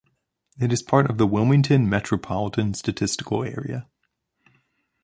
It is part of the Wilmington Metropolitan Statistical Area.